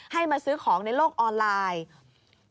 มาซื้อของในโลกออนไลน์